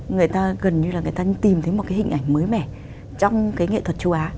người ta gần như là người ta tìm thấy một cái hình ảnh mới mẻ trong cái nghệ thuật châu á